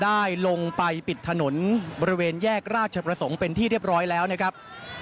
ได้ลงไปปิดถนนบริเวณแยกราชประสงค์เป็นที่เรียบร้อยแล้วนะครับ